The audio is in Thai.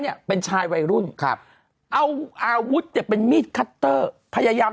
เนี่ยเป็นชายวัยรุ่นครับเอาอาวุธเนี่ยเป็นมีดคัตเตอร์พยายาม